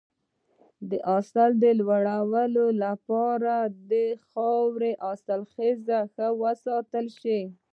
د حاصل د لوړوالي لپاره باید د خاورې حاصلخیزي ښه وساتل شي.